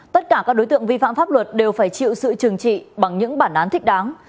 tất cả các đối tượng vi phạm pháp luật đều phải chịu sự trừng trị bằng những bản án thích đáng